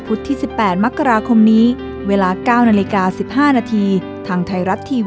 สุดท้ายต่อเขาก็ไปสบาย